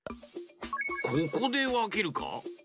ここでわけるか？